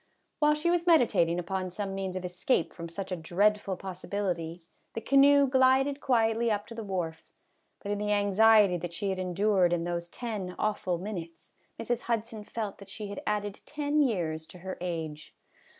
While she was meditating upon some means of escape from such a dreadful possibility the canoe glided quietly up to the wharf, but in the anxiety that she had endured in those ten awful minutes Mrs. Hudson felt that she had added ten years to her age.